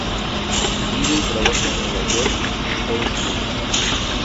Vive y trabaja en Nueva York, Estados Unidos.